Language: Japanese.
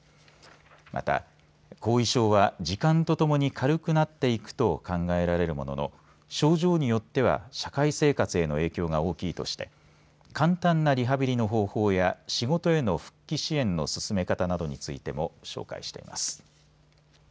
また、後遺症は時間とともに軽くなっていくと考えられるものの症状によっては社会生活への影響が大きいとして簡単なリハビリの方法や仕事への復帰支援の進め方などについても紹介しています。